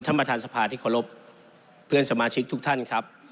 ท่านประธานสภาที่เคารพเพื่อนสมาชิกทุกท่านครับ